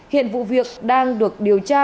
hiện vụ việc đang được điều tra